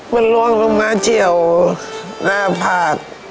มันล่วงลงมาเฉียวหน้าผาก